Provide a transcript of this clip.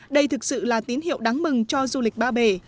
đây thực sự là tín hiệu đáng mừng cho du lịch ba bể